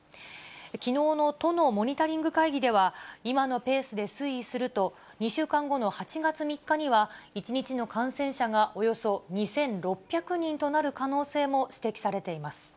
きのうの都のモニタリング会議では、今のペースで推移すると、２週間後の８月３日には、１日の感染者がおよそ２６００人となる可能性も指摘されています。